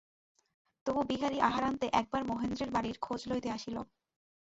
তবু বিহারী আহারান্তে একবার মহেন্দ্রের বাড়ির খোঁজ লইতে আসিল।